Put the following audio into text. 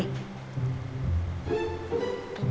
เห็นป่ะ